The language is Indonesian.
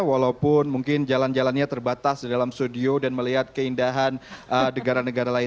walaupun mungkin jalan jalannya terbatas di dalam studio dan melihat keindahan negara negara lain